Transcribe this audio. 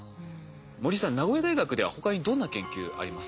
森さん名古屋大学では他にどんな研究ありますか？